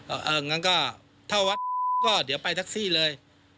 เอองั้นก็ถ้าวัดก็เดี๋ยวไปแท็กซี่เลย